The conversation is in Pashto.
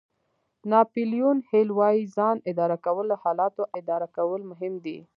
ناپیلیون هېل وایي ځان اداره کول له حالاتو اداره کولو مهم دي.